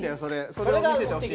それを見せてほしい。